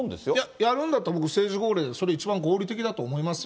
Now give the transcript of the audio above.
やるんだったら僕も、政治号令でそれ、一番合理的だと思いますよ。